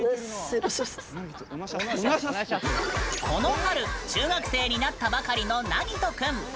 この春中学生になったばかりのなぎと君。